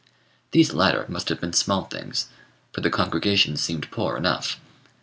These latter must have been small things, for the congregation seemed poor enough.